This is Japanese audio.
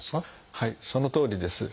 はいそのとおりです。